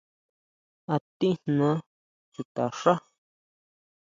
¿A tijná chuta xá?